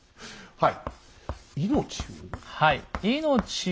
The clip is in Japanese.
はい。